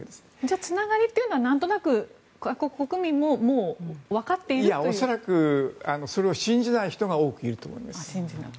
つながりというのはなんとなく韓国国民も恐らくそれを信じない人が多くいると思います。